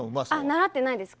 習ってないです。